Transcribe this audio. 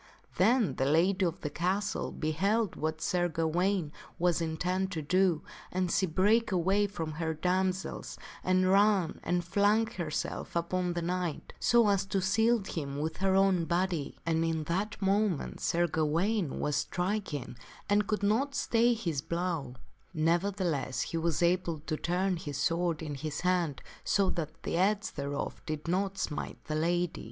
Then the lady of the castle beheld what Sir Gawaine was intent to do, and she brake away from her damsels and ran and flung herself upon the. knight so as to shield him with her own body. And in that moment Sir Gawaine was striking and could not stay his blow; nevertheless, he was able to turn his sword in his hand so that the edge thereof Sir Gawaine ,.,* n / striketh the lady did not smite the lady.